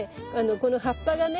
この葉っぱがね